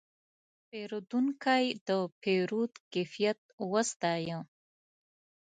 پیرودونکی د پیرود کیفیت وستایه.